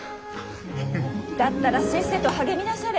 だったらせっせと励みなされ。